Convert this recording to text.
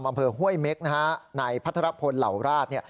อำเภอห้วยเม็กซ์นายพัทรพพลเหล่าราช